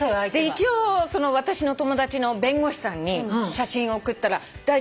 一応私の友達の弁護士さんに写真送ったら「大丈夫。